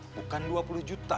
bukan dua puluh juta